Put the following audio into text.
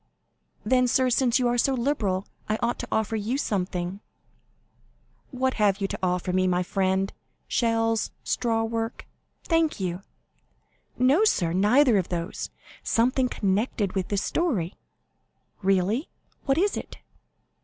"Then, sir, since you are so liberal, I ought to offer you something." 50227m "What have you to offer to me, my friend? Shells? Straw work? Thank you!" "No, sir, neither of those; something connected with this story." "Really? What is it?"